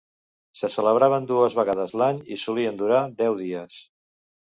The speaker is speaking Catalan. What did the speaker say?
Se celebraven dues vegades l'any i solien durar deu dies.